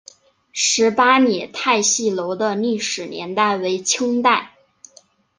十八里汰戏楼的历史年代为清代。